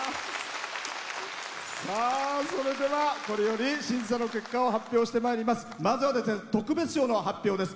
それでは、これより審査の結果を発表してまいります。